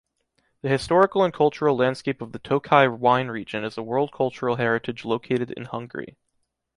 The historical and cultural landscape of the Tokai wine region is a world cultural heritage located in Hungary.